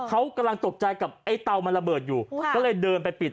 เขากำลังตกใจกับไอ้เตามันระเบิดอยู่ก็เลยเดินไปปิด